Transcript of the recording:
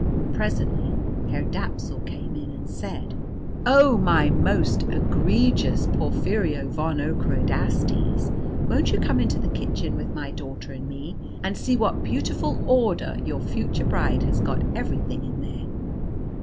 Presently Herr Dapsul came in, and said "Oh, my most egregious Porphyrio von Ockerodastes, won't you come into the kitchen with my daughter and me, and see what beautiful order your future bride has got everything in there?"